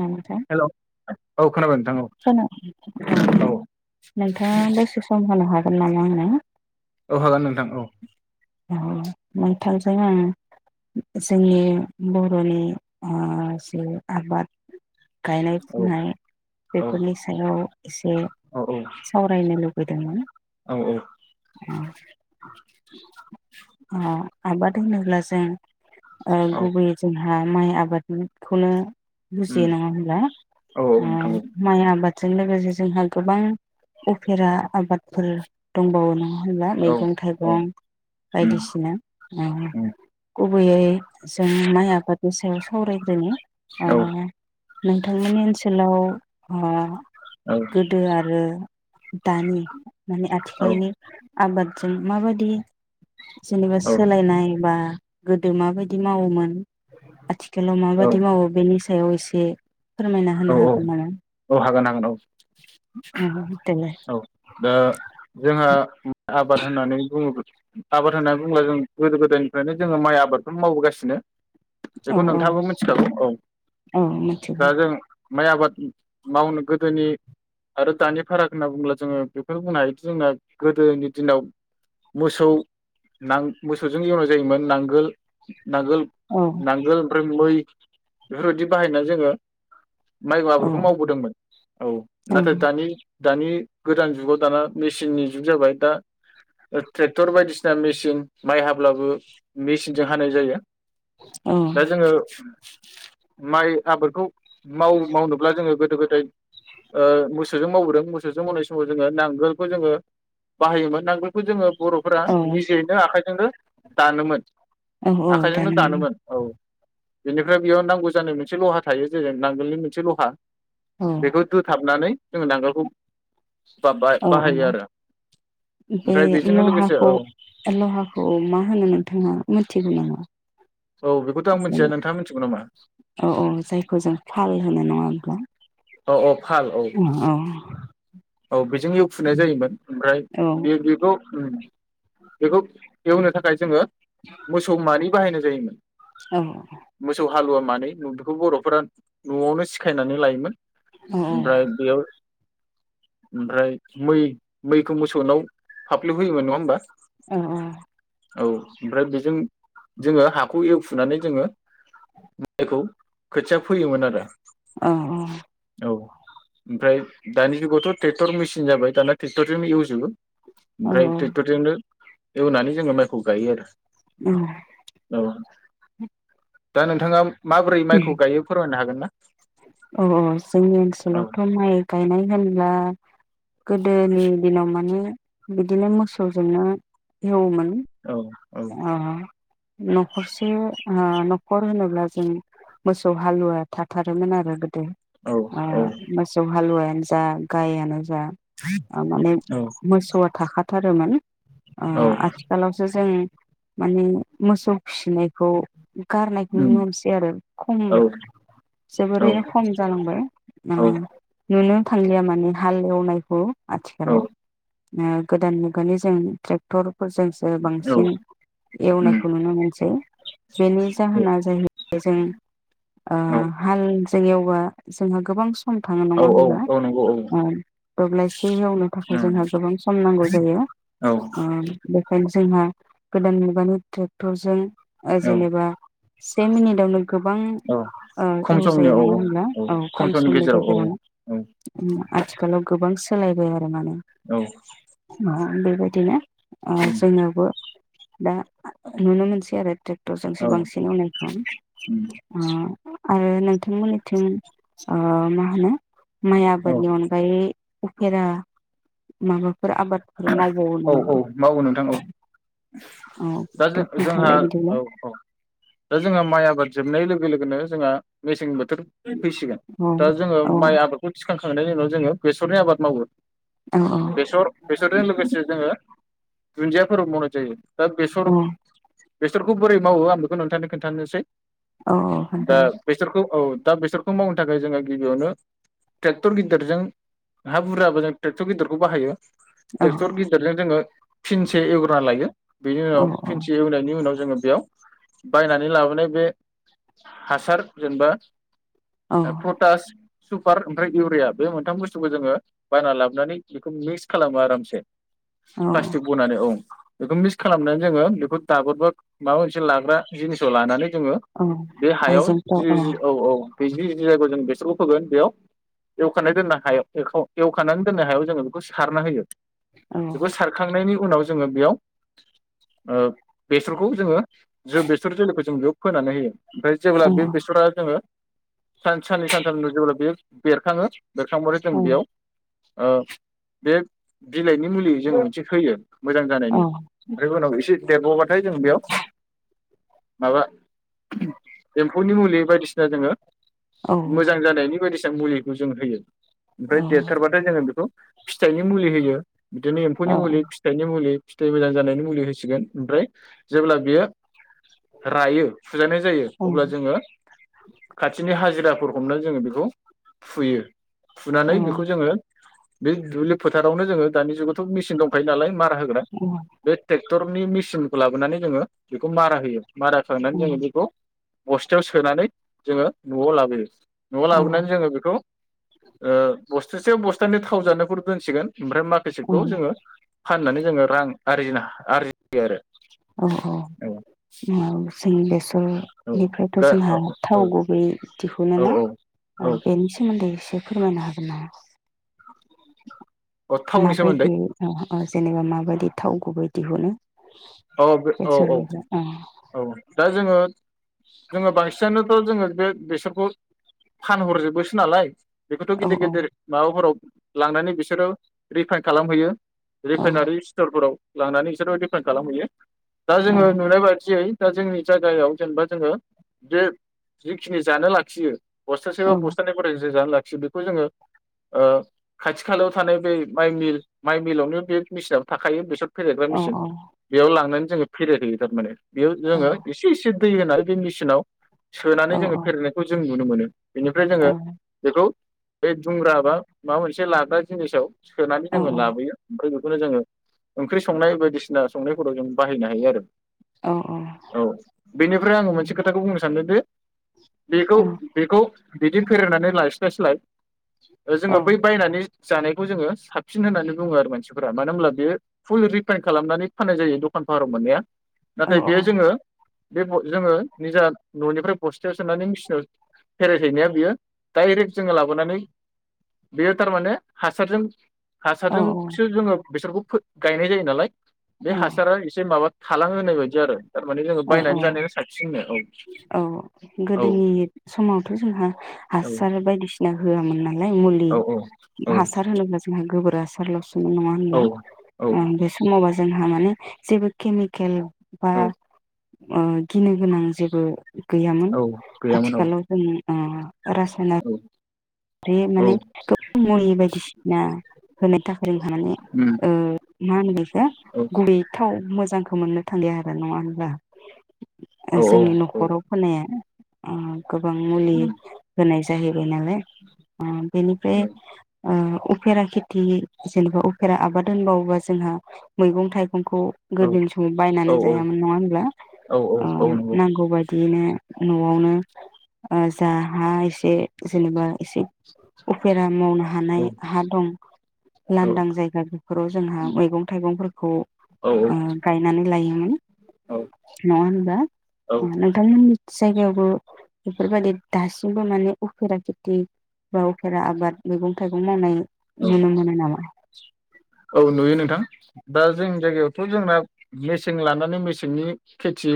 नोंथां हेलौ औ खोनागोन। खोना औ नोंथाङा दसे सम होनो हागोन नामा आंनो? औ हागोन नोंथां औ नोंथांजों आं जोंनि बर'नि ओ जे आबाद गायनाय औ फुनाय औ बेफोरनि सायाव एसे औ सावरायनो लुबैदोंमोन औ औ ओ अ आब [unintelligible] होनोब्ला जों ओ औ गुबैयै जोंहा माइ आबादखौनो उम बुजियो नंङा होमब्ला औ ओ नोंथां माइ आबाद जों लोगोसे जोंहा गोबां उफेरा आबादफोर दंबावो नङा [unintelligible] औ मैगं औ थाइगं उम बायदिसिना ओ उम गुबैयै जों माइ आबादनि सायाव सावरायग्रोनि ओ औ नोंथांमोननि ओनसोलाव अ औ गोदो आरो दानि माने आथिखालनि आबाद माबायदि जेनेबा औ सोलायनाय बा गोदो माबायदि मावोमोन? आथिखालाव औ माबायदि मावो बेनि सायाव एसे फोरमायना होनो औ हागोन नामा औ हागोन हागोन औ [unintelligible] औ दा जोंहा आबाद होननानै बुङो आबाद होननानै बुङोब्ला जों गोदो गोदायनिफ्रायनो जोंङो माइ आबादखौनो मावबोगासिनो । औ बेखौ औ नोंथांङाबो मिथिखागौ औ औ दा मिथिगौ जों माइ आबाद मावनो गोदोनि आरो दानि फाराग होनना बुङोब्ला जोंङो बेखौनो बुंनो हायोदि जोंना गोदोनि दिनाव मोसौ नां मोसौजों एवनाय जायोमोन नांगोल नांगोल औ नांगोल ओमफ्राय मै बेफोरबायदि बाहायना जोंङो माइबो औ आबादखौ मावबोदोंमोन औ नाथाय दानि दानि गोदान जुगाव दाना मेचिननि जुग जाबाय दा ट्रेक्टर बायदिसिना मेचिन माइ हाब्लाबो मेचिनजों हानाय जायो । औ दा जोंङो माइ आबादखौ माव-मावनोब्ला जोंङो गोदो गोदाय ओ मोसौजों मावबोदों । मोसौजों मावनाय समाव जोंङो नांगोलखौ जोनङो बाहायोमोन नांगोलखौ जोंङो बर'फोरा औ निजेयैनो आखाइजोंनो दानोमोन। औ औ आखाइजोंनो दानो दानोमोन औ। बेनिफ्राय बेयाव नांगौ जानाय मोनसे लहा थायो जेरै नांगोलनि मोनसे लहा। औ बेखौ दुथाबनानै। जोङो नांगोलखौ। औ औ बाहायो आरो बे ओमफ्राय बेजोंनो लोगोसे लहाखौ औ लहाखौ मा होनो नोंथाङा मिथिगौ नामा? औ बेखौथ' आं मिथिया नोंथाङा मिथिगौ नामा औ औ जायखौ जों फाल होनो नङा औ अ। फाल औ। औ बेजों एवफुनाय जायोमोन ओमफ्राय औ बे बेखौ उम बेखौ एवनो थाखाय जोङो मोसौमानि बाहायनाय जायोमोन। औ। मोसौ हालुवा मानै बेखौ बर'फोरा नआवनो सिखायनानै लायोमोन। औ ओमफ्राय बेयाव ओमफ्राय मै मैखौ मोसौनाव फाफ्लियाव होयोमोन नङा होमबा? औ औ। औ ओमफ्राय बेजों जोङो हाखौ एवफुनानै जोङो माइखौ खोथिया फोयोमोन आरो। अ अ। औ ओमफ्राय दानि जोगावथ ट्रेक्टर मेसिन जाबा दाना ट्रेक्टरजोंनो एवजोबो। औ ओमफ्राय ट्रेक्टर जोंनो एवनानै जोङो माइखौ गायो आरो। औ। दा नोंथाङा? माबोरै माइखौ [unintelligible] गायो फोरमायनो हागोन ना औ जोंनि औ ओनसोलावथ माइ गायनाय होनब्ला गोदोनि दिनाव माने बिदिनो मोसौजोंनो एवओमोन। औ औ ओ नखरसे ओ नखर होनोब्ला जों मोसौ हालुवा थाथारोमोन आरो। औ ओ मोसौ हालुवा जा गाइयानो जा माने मोसौआ थाखाथारोमोन ओ औ आथिखालावसो जों माने मोसौ फिनायखौ गारनायखौ उम नुनो मोनसै आरो खम औ औ जोबोरैनो खम जालांबाय ओ औ नुनो थांलिया माने हाल एवनायखौ आथिखालाव। गोदान मुगानि जों ट्रेक्टर फोरजोंसो बांसिन उम एवनायखौ नुनो मोनसै बेनि जाहोना जाहैबाय जों ओ औ हाल जों एवबा जोंहा गोबां से सम थाङो औ नङा औ होनब्ला औ नंगौ औ उम दब्लायसे एवनो थाखाय जोंहा गोबां सम नांगौ जायो औ ओ बेखायनो जोंहा गोदान मुगानि ट्रेक्टरजों औ जेनेबा से मिनिटावनो गोबां औ ओ खम समनि एवजायो औ नङा होनब्ला औ खम समनि गेजेराव औ गेजेरावनो औ आथिखालाव गोबां सोलायबाय आरो। माने औ [unintelligible] बेबायदिनो ओ उम जोंनोबो दा नुनो मोनसै आरो ट्रे क्टरजोंसो औ बांसिन एवनायखौ उम ओ आरो नोंथांमोननिथिं ओ मा होनो माइ औ आबादनि अनगायै फेरा माबाफोर आबाद औ औ मावो नोंथां औ। औ दा दे जोंहा खोन्थालाय बिदिब्ला औ औ दा जोंहा माइ आबाद जोबनाय लोगो लोगो लोगोनो जोंहा मेसें बोथोर बोथोर फैसिगोन औ दा जोङो औ माइ आबादखौ थिख खोखांनायनि उनाव जोङो बेसरनि आबाद मावो। औ औ बेसर बेसरजों लोगोसे जोङो दुनजिया फोरखौ मावनाय जायो दा बेसर औ बेसरखौ बोरै मावो आं बेखौ नोंथांनो खोन्थानोसै। औ दा खोन्थानो बेसोरखौ औ। दा बेसरखौ मावनो थाखाय जोङो गिबियावनो टेक्टर गिदिरजों हा बुरजाबो जों टेक्टर गिदिरखौ बाहायो औ टेक्टर गेदिरजों जोङो फिनसे एवग्रोना लायो। बेनि औ उनाव फिनसे एवनायनि उनाव जोङो बेयाव बायनानै लाबोनाय बे हासार, जेनबा फटास सुपार ओमफ्राय इउरिया बे मोनथाम बुस्थुखौ जोङो बायना लाबोनानै बेखौ मिक्स खालामो आरामसे औ प्लास्टिक बनानै औ। बेखौ मिक्स खालामनानै जोङो बेखौ दाबोरबा माबा मोनसे लाग्रा जिनिसाव लानानै जोङो औ बे हायाव जि-जि औ औ बिनि जि जायगायाव जों बेसोरखौ फोगोन बेयाव एवखानानै दोननो हायाव एवखाव-एवखानानै दोननो हायाव जोङो बेखौ सार ना होयो औ बेखौ सारखांनायनि उनाव जोङो बेयाव, ओ बेसरखौ जोङो जो- बेसर जोलैखौ जों बेयाव फोनानै होयो ओमफ्राय जेब्ला औ बे बेसरा जोङो सान-साननै सानथामनि उनाव जेब्ला बे बेरखाङो बेरखांबाथाय जों औ बेयाव ओ बे बिलाइनि मुलि जोङो मोनसे होयो मोजां औ जानायनि, ओमफ्राय उनाव एसे इसि देरबावबाथाय जों बेयाव, [inaudible] माबा, एम्फौनि मुलि बायदिसिना जोङो औ मोजां जानायनि बायदिसि जों मुलिखौ जों होयो। ओमफ्राय औ देरथारबाथाय जोङो बेखौ फिथाइनि मुलि होयो। बिदिनो एम्फौनि औ मुलि, फिथाइनि मुलि फिथाइ मोजां जानायनि मुलि होसिगोन ओमफ्राय जेब्ला बियो रायो फुजानाय जायो अब्ला जोङो खाथिनि हाजिरा फोर हमना जोङो बेखौ फुयो। फुनानै बेखौ जोङो बे दुब्लि फोथारावनो जोङो दानि जुगावथ' मेसिन दंखायो नालाय मा [unintelligible] जों बे टेकटरनि मि सिनखौ लाबोनानै जोङो बेखौ मारा होयो मारा खालामनानै जोङो बेखौ बस्थायाव सोनानै जोङो नआव लाबोयो। नआव लाबोनानै जोङो बेखौ ओ बस सासे बस्थानि थावजानायफोर दोनसिगोन ओमफ्राय माखासेखौ जोङो फाननानै जोङो रां आरजिनो हा आरजियो आरो अ अ औ मा बुस [unintelligible] ओ औ बेनिफ्रायथ दा औ जोंहा औ थाव गुबै दिहुनो औ ना ओ औ बेनि सोमोन्दै बे फोरमायनो हागोन नामा? औ थावनि सोमोन्दै माबायदि ओ ओ जेनेबा माबादि थाव गुबै दिहुनो औ बे औ औ बेसरनिफ्राय औ दा जोङो जोङो बांसिनानोथ जोङो बे बेसरखौ फानहरजोबोसो नालाय बेखौथ औ गिदिर औ गिदिर माबाफोराव लांनानै बिसोरो रिफाइन खालामहैयो। औ रिफाइनारि स्थिरफोराव लांनानै इसोरो रिफाइन खालाम हैयो दा औ जोङो नुनाय बादियै दा जोंनि जायगायाव जेनेबा जोङो बे जिखिनि जानो लाखियो बस्थासे औ बा बस्थानै खुरै जों जानो लाखिय सि बेखौ जोङो ओ खाथि खालायाव थानाय बै माइ मिल माइ मिलावनो बे मेसिनाबो थाखायो बेसोर फेदेरग्रा औ मेसिन बेयाव लांनानै जोङो फेरेदहैयो थारमाने बेयाव जोङो एसेसिन दै होनानै बे मेसिनाव सोनानै औ जोङो फेरेदनायखौ जों नुनो मोनो बेनिफ्राय जोङो बेखौ बे दुंग्रा बा माबा मोनसे लाग्रा जिनिसाव सोनानै औ जोङो लाबोयो ओमफ्रायो बेखौनो जोङो ओंख्रि संनाय बायदिसिना संनायफोराव जों बाहायनो हायो आरो। औ बेनिफ्राय आङो मोनसे खोथाखौ बुंनो सान्दों दे बेखौ बेखौ बिदिनो फेरेदनानै लायस्लायस्लाय ओ जोङो बै बायनानै जानायखौ जोङो साबसिन होन्नानै बुङो आरो मानसिफोरा मानो होनब्ला बेयो फुल रिफाइन खालामनानै फान्नाय जायो दखानफोराव मोन्नाया। नाथाय बेयो जोङो बेखौ जोङो निजा ननिफ्राय बस्थायाव सोनानै मेसिनाव फेरेदहैनाया बियो दडाइरेक्ट जोङो लाबोनानै बेयो थारमाने हासारजों हासारजोंसो जोङो बेसरखौ फो गायनाय जायो नालाय बे हासारा एसे माबा थालांहोनाय बायदि आरो थारमाने जोङो अ अ बायनानै जानाया साबसिननो औ औ औ गोदोनि समावथ जोंहा हासार बायदिसिना होआमोन्ना। मोन्नाय मुलि औ औ हासार होनोब्ला जोंहा गोबोर हासारलसो ओ नङा औ होमबा औ ओं बे समाव जोंहा माने जेबो केमिकेल बा औ ओ गिनो गोनां जेबो गैयामोन। औ गैयामोन औ आथिखालाव जों अ रासायना औ बे औ माने गोबां मुलि बायदिसिना होनो थाखाय ओ माने उम मा होनो बेखौ औ गुबुयै थाव मोजां मोन्नो थांलिया आरो नङा होनब्ला। औ जोंनि औ औ नखराव फोनाया उम। गोबां मुलि उम होनाय जा जायो बे नालाय ओ बेनिफ्राय औ ओ उफेरा खेथि जेनेबा उफेरा आबाद होनबावोबा जोंहा मैगं थाइगं खौ औ गोदोनि समाव बायनानै औ जायामोन नङा होमब्ला औ औ ओ औ नंगौ नांगौबाय बिदिनो नआवनो ओ जा हा एसे जेनेबा एसे उफेरा मावनो औ हानाय हा दं औ लांदां जायगा बेफोराव जोंहा मैगं थाइगंफोरखौ ओ औ गायनानै लायोमोन औ नङा होनबा औ नोंथांमोननि जायगायावबो बेफोरबायदि दासिमबो माने उफेरा खेथि बावफेरा आबाद मैगं थाइगं मावनाय औ नुनो मोनो नामा? औ नुयो नोंथां दा जोंनि जायगायावथ जोंना मेसें लानानै मेसेंनि खेथि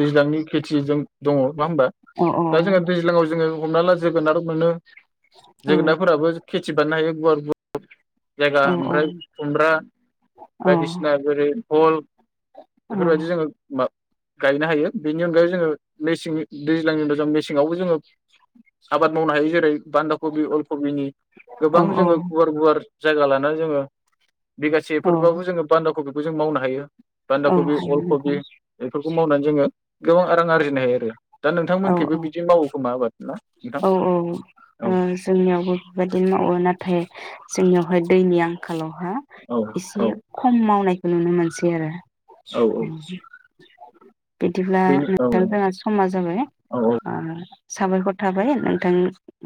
दैज्लांनि खेथिजों दङ नङा होमबा अ दा जोङो दैज्लाङाव जोङो हमना ला जोगोनार मोनो अ औ जोगोनारफोराबो खे बानायो गुवार गुवार जायगा औ ओमफ्राय खुमब्रा औ बायदिसिना जोरै बहल औ बेफोरबायदि जोङो मा गायनो हायो बेनि अनगायै जोङो मेसें दैज्लांनि उनाव जों मेसेङावबो जोङो आबाद मावनो हायो जेरै बान्दा कबि अलकबिनि औ गोबां जोङो गुवार गुवार जायगा लानानै जोङो औ बिगासेफोरबाबो जोङो बान्दा कबि बो जों मावनो हायो औ बान्दाकबि हायो अलखबि बेफोरखौ मावनानै जोङो गोबां आरां आरजिनो हायो आरो दा औ नोंथांमोनखैबो औ बिदि मावो खोमा आबाद ना नोंथां औ औ औ ओ जोंनियावबो बेबायदिनो मावो नाथाय जोंनियावहाय दैनि आंखालावहा औ औ एसे खम मावनाय नुनो मोनसै आरो औ औ बिदिब्ला बेनि [unintelligible] औ दा जोंहा समा जाबाय औ औ ओ साबायखर थाबाय नोंथां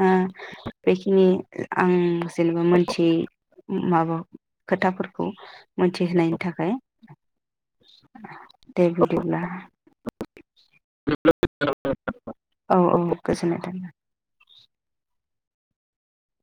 ओ बेखिनि आं जेनेबा मोनथियै माबा खोथाफोरखौ मोनथिहोनायनि थाखाय [inaudible] [unintelligible] दे बिदिब्ला । [inaudible] [inaudible] औ औ गोजोननाय थायो ।